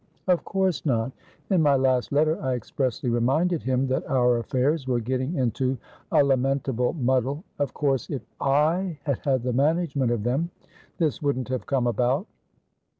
"Of course not. In my last letter I expressly reminded him that our affairs were getting into a lamentable muddle. Of course, if I had had the management of them, this wouldn't have come about.